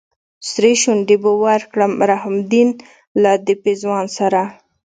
سرې شونډې به ورکړم رحم الدين لهد پېزوان سره